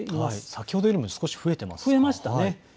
先ほどよりも少し増えましたね。